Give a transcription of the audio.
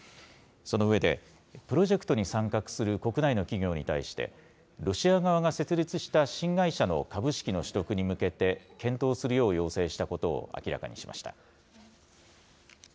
その上で、プロジェクトに参画する国内の企業に対して、ロシア側が設立した新会社の株式の取得に向けて、検討するよう要請したことを明らかにしました。